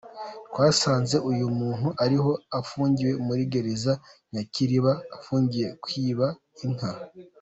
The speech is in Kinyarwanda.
Twasanze uyu muntu ariho, afungiwe muri gereza Nyakiliba, afungiwe kwiba inka.”